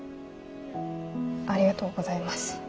ありがとうございます。